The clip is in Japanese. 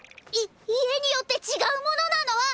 い家によって違うものなの？